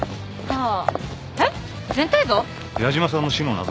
ああ。